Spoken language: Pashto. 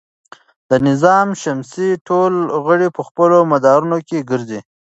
د نظام شمسي ټول غړي په خپلو مدارونو کې ګرځي.